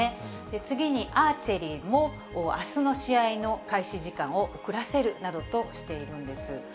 次にアーチェリーも、あすの試合の開始時間を遅らせるなどとしているんです。